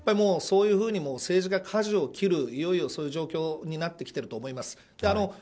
そういうふうに政治がかじを切るいよいよ、そういう時期になってきていると思います。